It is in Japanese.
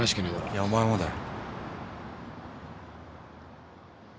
いやお前もだよ。